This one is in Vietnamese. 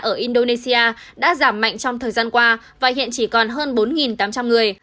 ở indonesia đã giảm mạnh trong thời gian qua và hiện chỉ còn hơn bốn tám trăm linh người